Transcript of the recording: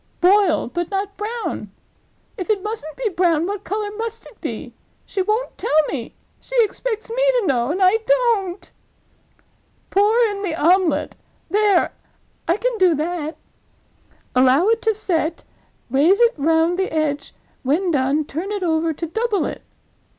'Boil, but not brown.'—If it mustn't be brown, what color must it be? She won't tell me; she expects me to know, and I don't. 'Pour in the omelette.'—There! I can do that. 'Allow it to set, raise it round the edge; when done, turn it over to double it.